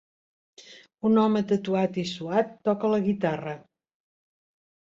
Un home tatuat i suat toca la guitarra